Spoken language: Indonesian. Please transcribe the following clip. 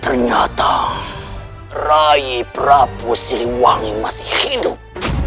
ternyata rai prabu siliwangi masih hidup